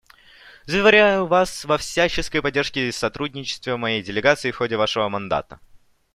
Заверяю вас во всяческой поддержке и сотрудничестве моей делегации в ходе вашего мандата.